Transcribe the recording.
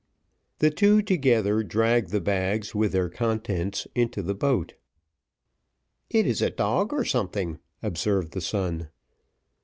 The two together dragged the bags with their contents into the boat. "It is a dog or something," observed the son.